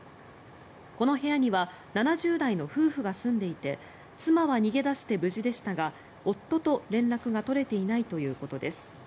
この部屋には７０代の夫婦が住んでいて妻は逃げ出して無事でしたが夫と連絡が取れていないということです。